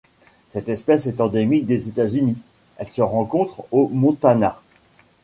Cette espèce est endémique des États-Unis, elle se rencontre au Montana.